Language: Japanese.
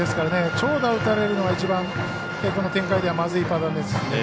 長打を打たれるのが一番この展開ではまずいパターンですからね。